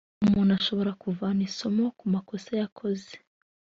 umuntu ashobora kuvana isomo ku makosa yakoze